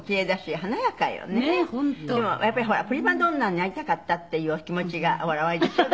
やっぱりほらプリマドンナになりたかったっていうお気持ちがほらおありでしょ？